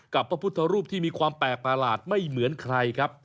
พระพุทธรูปที่มีความแปลกประหลาดไม่เหมือนใครครับ